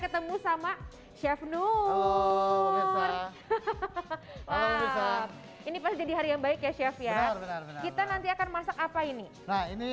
ketemu sama chef nur hahaha ini pasti jadi hari yang baik ya chef ya kita nanti akan masak apa ini nah ini